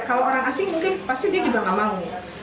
kalau orang asing mungkin pasti dia juga nggak mau